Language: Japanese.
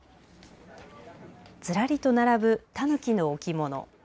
ずらりと並ぶたぬきの置物。